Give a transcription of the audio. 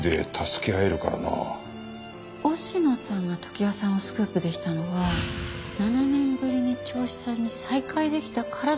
忍野さんが常盤さんをスクープできたのは７年ぶりに銚子さんに再会できたからだと思うんです。